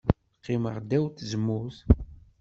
Qqimeɣ ddaw n tzemmurt.